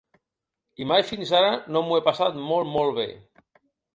I mai fins ara no m'ho he passat molt molt bé.